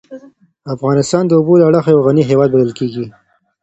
افغانستان د اوبو له اړخه یو غنی هېواد بلل کېږی.